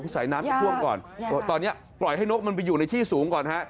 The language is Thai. ใส่น้ำจะท่วมก่อนตอนนี้ปล่อยให้นกมันไปอยู่ในที่สูงก่อนฮะ